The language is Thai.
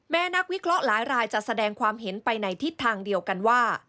นักวิเคราะห์หลายรายจะแสดงความเห็นไปในทิศทางเดียวกันว่า